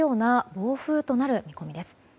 暴風となる見込みです。